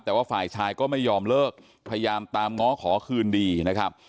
แต่ว่าฝ่ายชายก็ไม่ยอมเลิกพยายามตามง้อขอคืนดีนะครับ